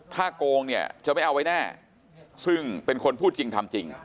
ถ้าโกงเนี่ยจะไม่เอาไว้แน่ซึ่งเป็นคนพูดจริงทำจริง